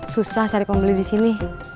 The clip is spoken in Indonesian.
susah cari pembeli disini